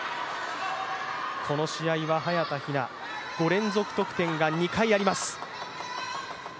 この試合は早田ひな、５連続得点が２回あります。